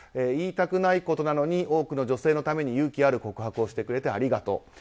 言いたくないことなのに多くの女性のために勇気ある告白をしてくれてありがとう。